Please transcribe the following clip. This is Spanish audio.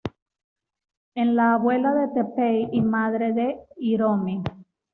En la abuela de Teppei y madre de Hiromi.